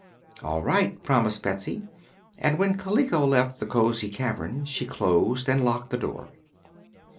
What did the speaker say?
"All right," promised Betsy, and when Kaliko left the cosy cavern she closed and locked the door.